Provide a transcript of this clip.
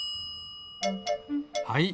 はい。